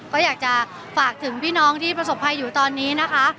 ก็อยากจะฝากถึงพี่น้องที่ประสบภัยอยู่ตอนนี้นะคะ